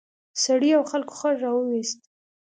سړي او خلکو خر راوویست.